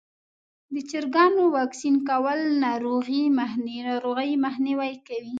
د چرګانو واکسین کول ناروغۍ مخنیوی کوي.